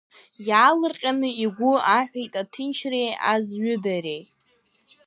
Иаалырҟьаны игәы аҳәеит аҭынчреи азҩыдареи.